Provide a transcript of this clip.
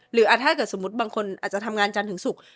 ถ้าเกิดสมมุติบางคนอาจจะทำงานจันทร์ถึงศุกร์